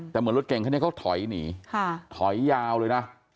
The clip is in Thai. แต่เหมือนรถเก่งคันนี้เขาถอยหนีถอยยาวเลยนะ